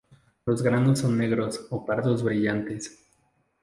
Los granos son negros o pardos brillantes.